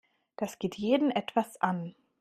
Das geht jeden etwas an.